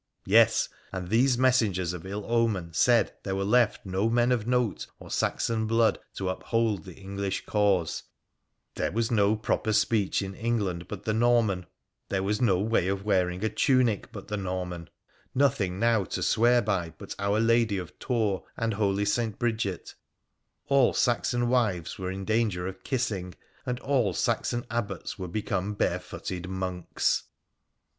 Yes ! and these messengers of ill omen said there were left no men of note or Saxon blood to uphold the English cause —■ there was no proper speech in England but the Norman — there was no way of wearing a tunic but the Norman —■ nothing now to swear by but by Our Lady of Tours and Holy St. Bridget — all Saxon wives were in danger of kissing — and all Saxon abbots were become barefooted monks